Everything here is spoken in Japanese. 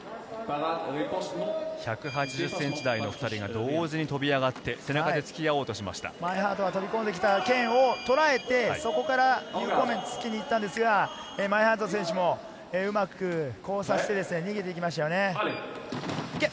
１８０ｃｍ台の２人が同時に飛び上がって、マインハートが飛び込んできた剣をとらえて、そこから有効面を突きに行ったんですが、マインハート選手もうまく交差して逃げていきましたね。